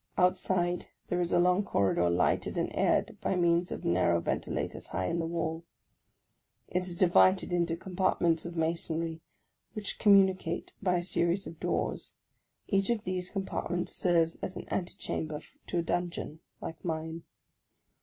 Outside, there is a long corridor lighted and aired by means of narrow ventilators high in the wall. It is divided into com partments of masonry, which communicate by a series of doors; each of these compartments serves as an antichamber to a dungeon, like mine.